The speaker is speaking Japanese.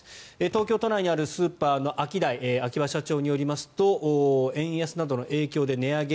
東京都内にあるスーパーのアキダイ秋葉社長によりますと円安などの影響で値上げ